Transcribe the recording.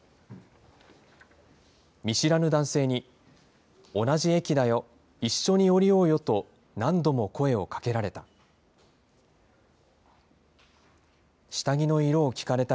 見知らぬ男性に、同じ駅だよ、一緒に降りようよと何度も声をかけられた。